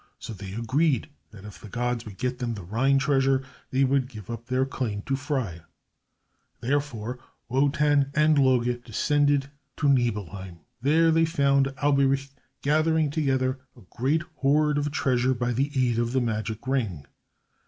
So they agreed that if the gods would get them the Rhine treasure they would give up their claim to Freia. Therefore Wotan and Loge descended to Nibelheim. There they found Alberich gathering together a great hoard of treasure by the aid of the magic ring.